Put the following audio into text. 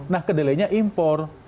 nah kedelainya impor